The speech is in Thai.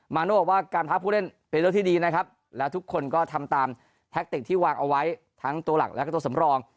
โน่บอกว่าการพักผู้เล่นเป็นเรื่องที่ดีนะครับแล้วทุกคนก็ทำตามแท็กติกที่วางเอาไว้ทั้งตัวหลักแล้วก็ตัวสำรอง